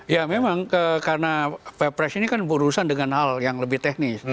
ya memang karena ppres ini kan berurusan dengan hal yang lebih teknis